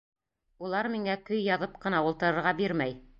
Улар миңә көй яҙып ҡына ултырырға бирмәй!